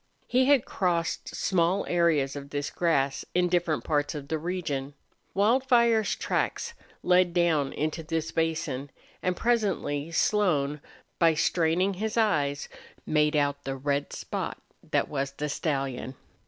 He had crossed small areas of this grass in different parts of the region. Wildfire's tracks led down into this basin, and presently Slone, by straining his eyes, made out the red spot that was the stallion.